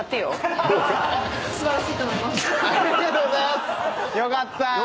よかった。